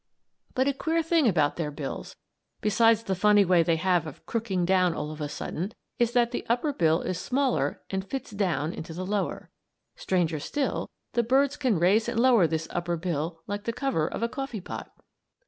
But a queer thing about their bills, besides the funny way they have of crooking down all of a sudden, is that the upper bill is smaller and fits down into the lower. Stranger still, the birds can raise and lower this upper bill like the cover of a coffee pot.